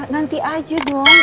nanti aja dong